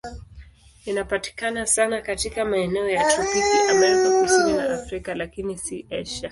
Inapatikana sana katika maeneo ya tropiki Amerika Kusini na Afrika, lakini si Asia.